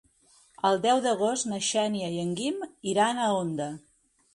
El deu d'agost na Xènia i en Guim iran a Onda.